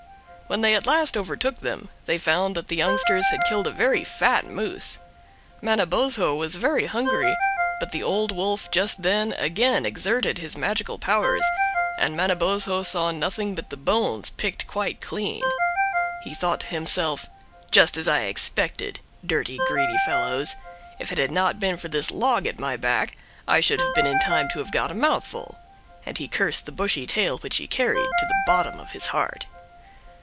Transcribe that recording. When they at last overtook them, they found that the youngsters had killed a very fat moose. Manabozho was very hungry, but the Old Wolf just then again exerted his magical powers, and Manabozho saw nothing but the bones picked quite clean. He thought to himself, "Just as I expected; dirty, greedy fellows. If it had not been for this log at my back I should have been in time to have got a mouthful"; and he cursed the bushy tail which he carried to the bottom of his heart.